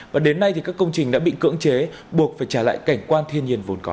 và đến nay các công trình đã bị cưỡng chế buộc phải trả lại cảnh quan thiên nhiên vốn có